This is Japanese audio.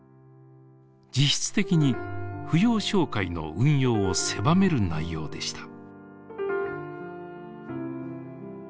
実質的に扶養照会の運用を狭める内容でした。